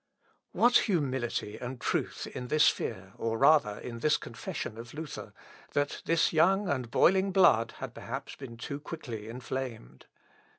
What humility and truth in this fear, or rather in this confession of Luther, that his young and boiling blood had perhaps been too quickly inflamed!